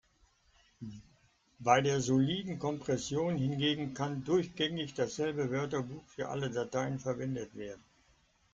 Bei der soliden Kompression hingegen kann durchgängig dasselbe Wörterbuch für alle Dateien verwendet werden.